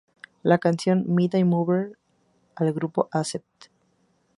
La canción era "Midnight Mover", del grupo Accept.